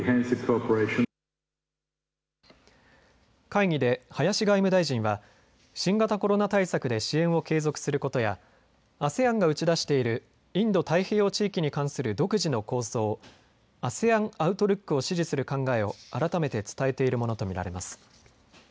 会議で林外務大臣は新型コロナ対策で支援を継続することやＡＳＥＡＮが打ち出しているインド太平洋地域に関する独自の構想、アセアン・アウトルックを支持する考えを改めて伝えているものと見られます。